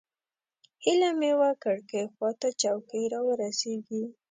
هیله مې وه کړکۍ خوا ته چوکۍ راورسېږي.